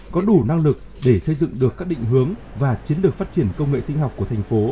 có đủ năng lực để xây dựng được các định hướng và chiến lược phát triển công nghệ sinh học của thành phố